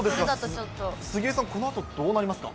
杉江さん、このあと、どうなりますか？